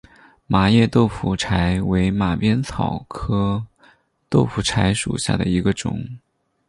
麻叶豆腐柴为马鞭草科豆腐柴属下的一个种。